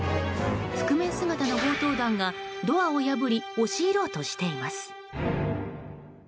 覆面姿の強盗団がドアを破り押し入ろうとしています。